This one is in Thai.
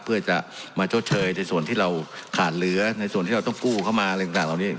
เพื่อจะมาชดเชยในส่วนที่เราขาดเหลือในส่วนที่เราต้องกู้เข้ามาอะไรต่างเหล่านี้